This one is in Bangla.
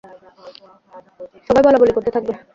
সবাই বলাবলি করতে থাকবে।